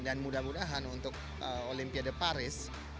mudah mudahan untuk olimpiade paris